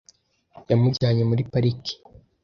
Yamujyanye muri pariki.